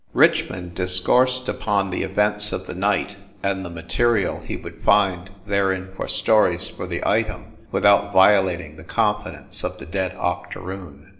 Richmond discoursed upon the events of the night, and the material he would find therein for stories for the Item without violat ing the confidence of the dead octoroon.